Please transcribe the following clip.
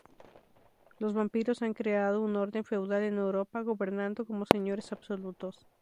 Los vampiros han creado un orden feudal en Europa, gobernando como señores absolutos.